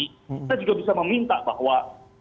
kita juga bisa meminta bahwa